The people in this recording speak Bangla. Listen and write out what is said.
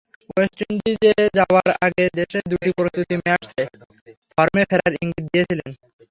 ওয়েস্ট ইন্ডিজে যাওয়ার আগে দেশে দুটি প্রস্তুতি ম্যাচে ফর্মে ফেরার ইঙ্গিত দিয়েছিলেন।